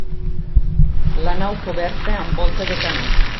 La nau coberta amb volta de canó.